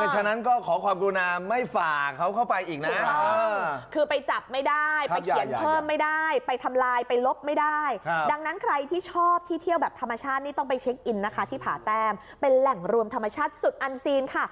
ที่ผาต้ำเป็นแหล่งรวมธรรมชัดสุดอันซีนค่ะ